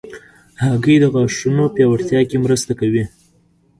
هګۍ د غاښونو پیاوړتیا کې مرسته کوي.